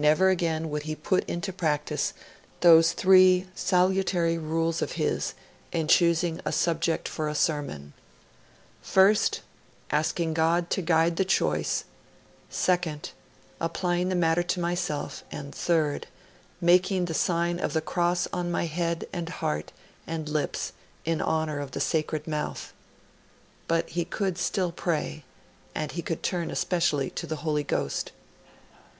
Never again would he preach; never again would he put into practice those three salutary rules of his in choosing a subject for a sermon: '(1) asking God to guide the choice; (2) applying the matter to myself; (3) making the sign of the cross on my head and heart and lips in honour of the Sacred Mouth;' but he could still pray; he could turn especially to the Holy Ghost.